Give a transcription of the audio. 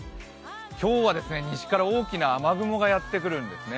今日は西から大きな雨雲がやってくるんですね。